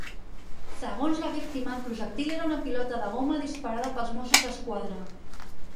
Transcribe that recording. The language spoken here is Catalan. Segons la víctima, el projectil era una pilota de goma disparada pels Mossos d'Esquadra.